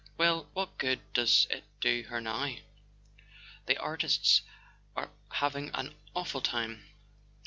Well, what good does it do her now? The artists are having an awful time.